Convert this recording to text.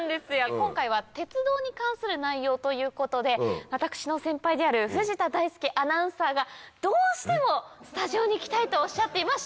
今回は鉄道に関する内容ということで私の先輩である藤田大介アナウンサーがどうしてもスタジオに来たいとおっしゃっていまして。